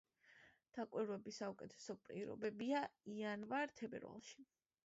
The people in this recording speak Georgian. დაკვირვების საუკეთესო პირობებია იანვარ-თებერვალში.